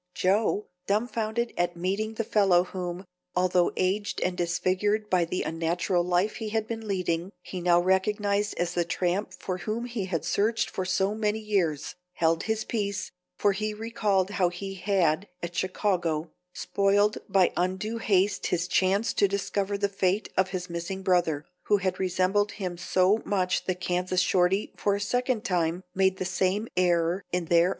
Joe, dumfounded at meeting the fellow whom, although aged and disfigured by the unnatural life he had been leading, he now recognized as the tramp for whom he had searched for so many years, held his peace, for he recalled how he had at Chicago spoiled by undue haste his chance to discover the fate of his missing brother, who had resembled him so much that Kansas Shorty for a second time made the same error in their identity.